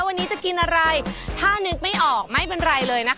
วันนี้จะกินอะไรถ้านึกไม่ออกไม่เป็นไรเลยนะคะ